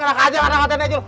kenapa aja gak nanggapin aja